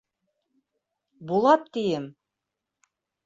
Булат, тием!